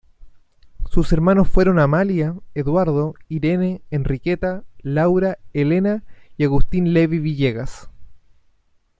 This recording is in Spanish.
Sus hermanos fueron Amalia, Eduardo, Irene, Enriqueta, Laura, Elena y Agustín Levy Villegas.